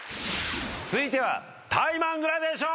続いてはタイマングラデーション！